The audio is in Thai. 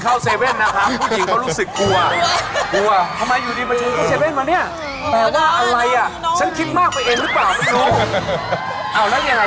เอาแล้วเกี่ยวอะไรต่อมานะ